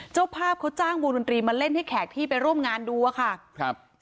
เจ้าภาพเขาจ้างวงดนตรีมาเล่นให้แขกที่ไปร่วมงานดูอะค่ะครับ